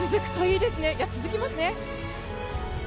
いや、続きますね。